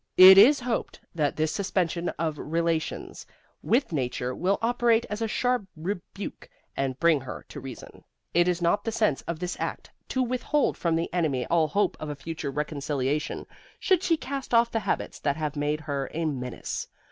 IT IS HOPED that this suspension of relations with Nature will operate as a sharp rebuke, and bring her to reason. It is not the sense of this Act to withhold from the Enemy all hope of a future reconciliation, should she cast off the habits that have made her a menace.